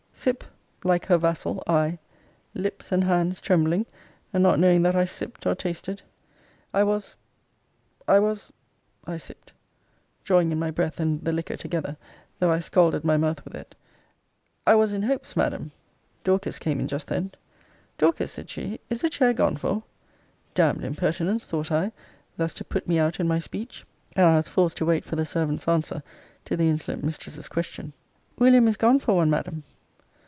Sip, like her vassal, I; lips and hands trembling, and not knowing that I sipp'd or tasted. I was I was I sipp'd (drawing in my breath and the liquor together, though I scalded my mouth with it) I was in hopes, Madam Dorcas came in just then. Dorcas, said she, is a chair gone for? Damn'd impertinence, thought I, thus to put me out in my speech! And I was forced to wait for the servant's answer to the insolent mistress's question. William is gone for one, Madam.